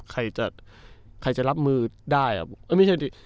ใครจะรับมือได้อ่ะ